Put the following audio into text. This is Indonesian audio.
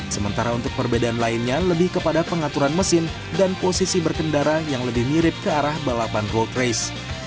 sementara untuk perbedaan lainnya lebih kepada pengaturan mesin dan posisi berkendara yang lebih mirip ke arah balapan road race